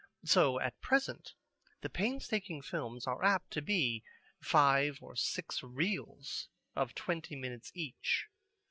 So at present the painstaking films are apt to be five or six reels of twenty minutes each.